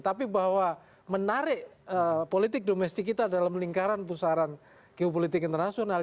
tapi bahwa menarik politik domestik kita dalam lingkaran pusaran geopolitik internasional